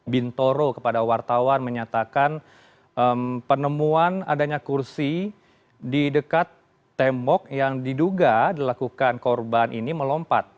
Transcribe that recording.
bintoro kepada wartawan menyatakan penemuan adanya kursi di dekat tembok yang diduga dilakukan korban ini melompat